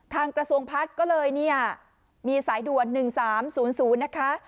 กระทรวงพัฒน์ก็เลยเนี่ยมีสายด่วน๑๓๐๐นะคะ